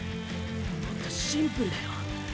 もっとシンプルだよ。